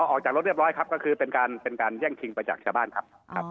ออกจากรถเรียบร้อยครับก็คือเป็นการแย่งชิงไปจากชาวบ้านครับ